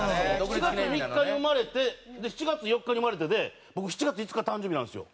７月３日に生まれて『７月４日に生まれて』で僕７月５日誕生日なんですよ。